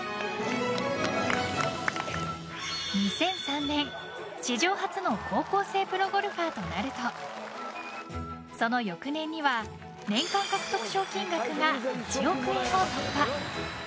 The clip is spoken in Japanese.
２００３年、史上初の高校生プロゴルファーとなるとその翌年には年間獲得賞金額が１億円を突破！